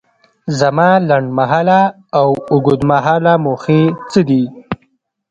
زما لنډ مهاله او اوږد مهاله موخې څه دي؟